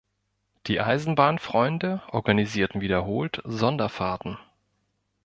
Die Eisenbahnfreunde organisierten wiederholt Sonderfahrten.